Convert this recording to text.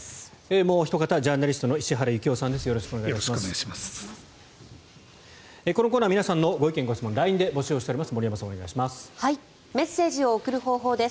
もうおひと方ジャーナリストの石原行雄さんです。